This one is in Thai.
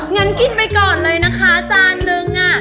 งั้นกินไปก่อนเลยนะคะจานนึง